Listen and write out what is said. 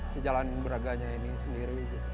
sejalan braganya ini sendiri